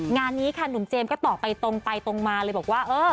งานนี้ค่ะหนุ่มเจมส์ก็ตอบไปตรงไปตรงมาเลยบอกว่าเออ